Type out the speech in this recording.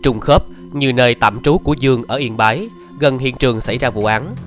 ngày tạm trú của dương ở yên bái gần hiện trường xảy ra vụ án